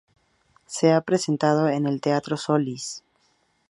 Se ha presentado en el Teatro Solís.